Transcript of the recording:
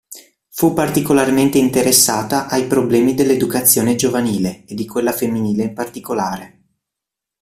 Fu particolarmente interessata ai problemi dell'educazione giovanile e di quella femminile in particolare.